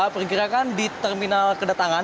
berkira kan di terminal kedatangan